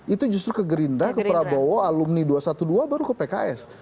itu justru ke gerindra ke prabowo alumni dua ratus dua belas baru ke pks